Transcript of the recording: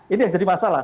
ini yang jadi masalah